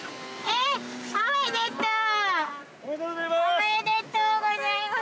・おめでとうございます。